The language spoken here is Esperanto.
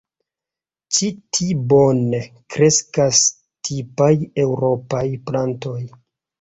Ĉi ti bone kreskas tipaj eŭropaj plantoj.